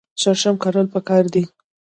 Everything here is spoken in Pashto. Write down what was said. شړشم کرل پکار دي.